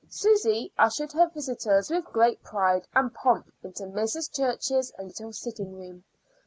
Susy ushered her visitors with great pride and pomp into Mrs. Church's little sitting room.